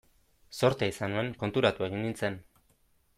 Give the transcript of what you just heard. Zortea izan nuen, konturatu egin nintzen.